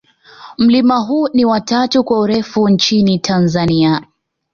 mlima huu ni wa tatu kwa urefu nchini tanzania